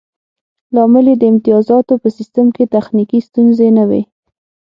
لامل یې د امتیازاتو په سیستم کې تخنیکي ستونزې نه وې